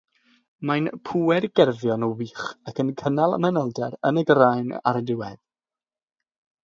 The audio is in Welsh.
Mae'n pŵer-gerfio'n wych ac yn cynnal manylder yn y graen ar y diwedd.